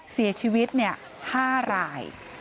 เสียชีวิต๕ราย